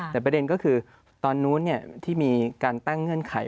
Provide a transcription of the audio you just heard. แต่ประเด็นก็คือตอนนู้นที่มีการตั้งเงื่อนไข